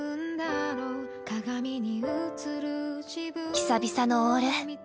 久々のオール。